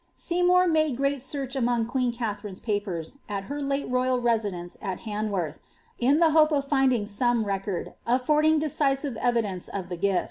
Seymour made great search among queen Katharine'^s papers, at her late royal residence at Hanworth, in the hope of finding some record, affording decisive evidence of the giA.